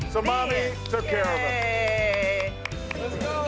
สมามิขอบคุณค่ะ